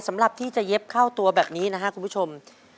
สำหรับที่จะเย็บเข้าตัวแบบนี้นะครับคุณผู้ชม